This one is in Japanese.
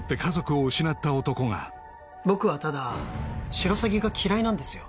僕はただシロサギが嫌いなんですよ